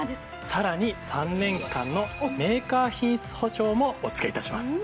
さらに３年間のメーカー品質保証もお付け致します。